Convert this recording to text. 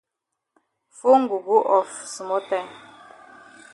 Fone go go off small time.